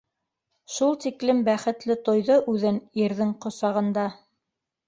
Шул тиклем бәхетле тойҙо үҙен ирҙең ҡосағында.